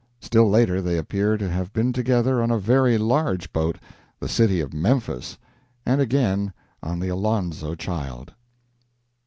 Still later, they appear to have been together on a very large boat, the "City of Memphis," and again on the "Alonzo Child."